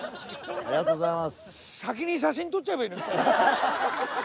ありがとうございます！